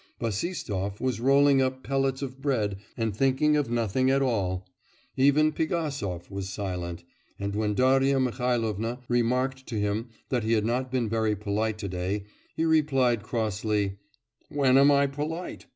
Bassistoff was rolling up pellets of bread and thinking of nothing at all; even Pigasov was silent, and when Darya Mihailovna remarked to him that he had not been very polite to day, he replied crossly, 'When am I polite?